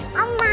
oh ma juga mau